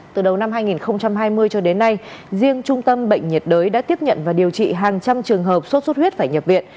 từ đầu năm hai nghìn hai mươi cho đến nay riêng trung tâm bệnh nhiệt đới đã tiếp nhận và điều trị hàng trăm trường hợp sốt xuất huyết phải nhập viện